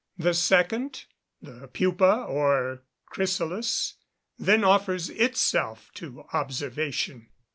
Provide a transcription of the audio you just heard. The second, the pupa or chrysalis, then offers itself to observation.